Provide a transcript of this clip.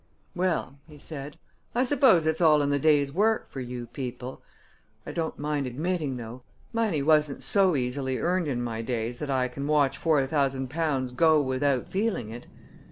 "Well," he said, "I suppose it's all in the day's work for you people. I don't mind admitting, though, money wasn't so easily earned in my days that I can watch four thousand pounds go without feeling it.